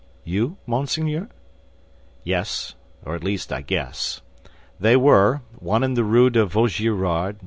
"You, monseigneur?" "Yes; or at least I guess. They were, one in the Rue de Vaugirard, No.